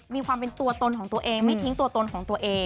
มีความเป็นตัวตนของตัวเองไม่ทิ้งตัวตนของตัวเอง